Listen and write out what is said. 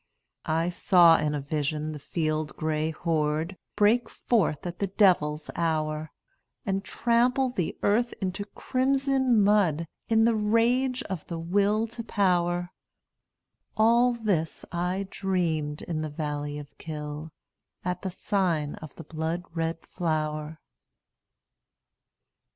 I saw in a vision the field gray horde Break forth at the devil's hour, And trample the earth into crimson mud In the rage of the Will to Power, All this I dreamed in the valley of Kyll, At the sign of the blood red flower.